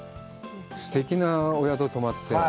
すてきなお宿泊まって。